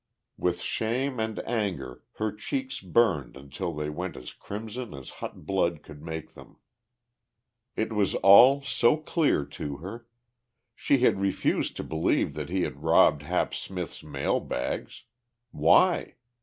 With shame and anger her cheeks burned until they went as crimson as hot blood could make them. It was all so clear to her. She had refused to believe that he had robbed Hap Smith's mail bags. Why?